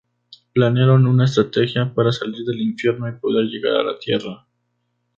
Planearon una estrategia para salir del infierno y poder llegar a la tierra.